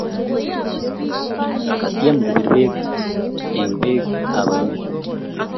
katyem kobir bek eng' bek ab ainet